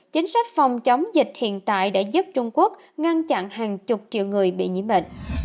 chính sách phòng chống dịch hiện tại đã giúp trung quốc ngăn chặn hàng chục triệu người bị nhiễm bệnh